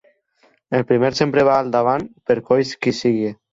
El primer sempre va al davant, per coix que sigui.